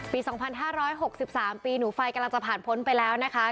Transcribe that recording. ปีสองพันห้าร้อยหกสิบสามปีหนูไฟกำลังจะผ่านพ้นไปแล้วนะคะ